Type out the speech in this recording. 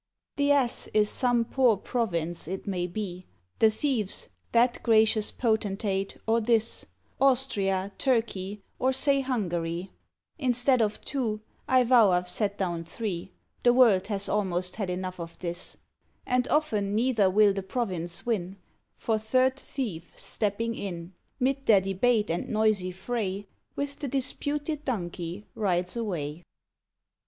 The ass is some poor province it may be; The thieves, that gracious potentate, or this, Austria, Turkey, or say Hungary; Instead of two, I vow I've set down three (The world has almost had enough of this), And often neither will the province win: For third thief stepping in, 'Mid their debate and noisy fray, With the disputed donkey rides away.